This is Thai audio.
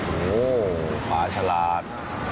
โอ้โหขวาฉลาด